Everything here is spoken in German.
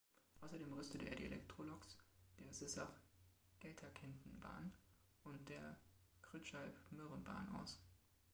Ausserdem rüstete er die Elektroloks der Sissach-Gelterkinden-Bahn und der Grütschalp-Mürren-Bahn aus.